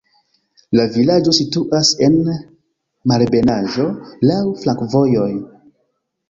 La vilaĝo situas en malebenaĵo, laŭ flankovojoj.